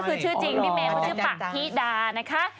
คือชื่อจริงพี่เมย์เขาชื่อปะธิดานะคะ